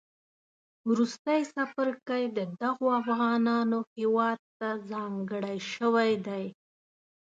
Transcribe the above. وروستی څپرکی د دغو افغانانو هیواد تهځانګړی شوی دی